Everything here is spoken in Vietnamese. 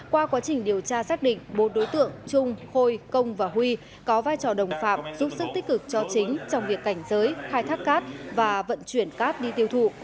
qua quá trình điều tra xác định bốn đối tượng trung khôi công và huy có vai trò đồng phạm giúp sức tích cực cho chính trong việc cảnh giới khai thác cát và vận chuyển cát đi tiêu thụ